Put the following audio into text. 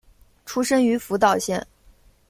出身于福岛县。